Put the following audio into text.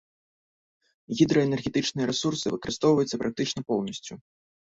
Гідраэнергетычныя рэсурсы выкарыстоўваюцца практычна поўнасцю.